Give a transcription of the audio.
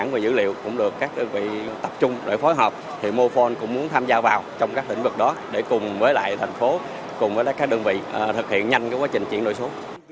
quá trình chuyển đổi số